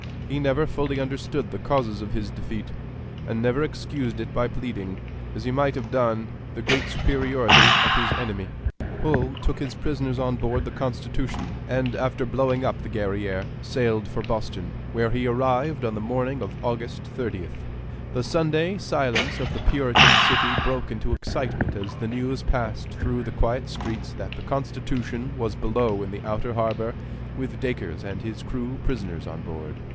He never fully understood the causes of his defeat, and never excused it by pleading, as he might have done, the great superiority of his enemy. Hull took his prisoners on board the Constitution, and after blowing up the Guerrière sailed for Boston, where he arrived on the morning of August 30th. The Sunday silence of the Puritan city broke into excitement as the news passed through the quiet streets that the Constitution was below in the outer harbor with Dacres and his crew prisoners on board.